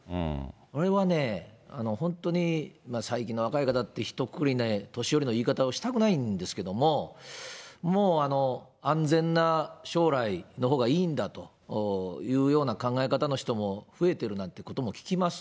これはね、本当に最近の若い方って、ひとくくりに年寄りの言い方をしたくないんですけれども、もう、安全な将来のほうがいいんだというような考え方の人も増えているなんてことも聞きます。